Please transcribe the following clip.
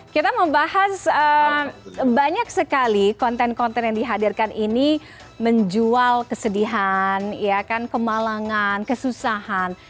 kita membahas banyak sekali konten konten yang dihadirkan ini menjual kesedihan kemalangan kesusahan